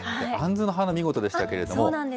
あんずの花、見事でしたけれども。